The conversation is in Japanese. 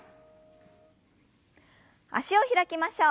脚を開きましょう。